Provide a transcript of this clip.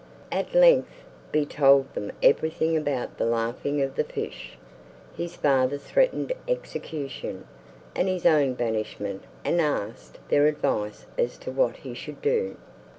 At length be told them everything—about the laughing of the fish, his father's threatened execution, and his own banishment—and asked their advice as to what he should do.